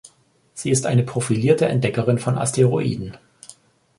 Sie ist eine profilierte Entdeckerin von Asteroiden.